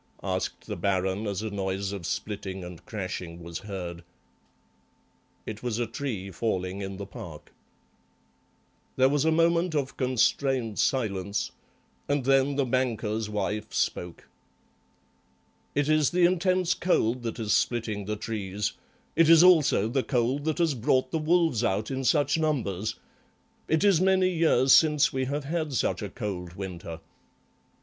asked the Baron, as a noise of splitting and crashing was heard. It was a tree falling in the park. There was a moment of constrained silence, and then the banker's wife spoke. "It is the intense cold that is splitting the trees. It is also the cold that has brought the wolves out in such numbers. It is many years since we have had such a cold winter."